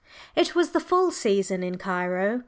/It/ was the full "season" in Cairo.